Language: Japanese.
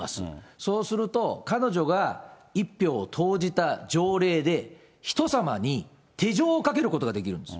そうすると彼女が一票を投じた条例で、人様に手錠をかけることができるんです。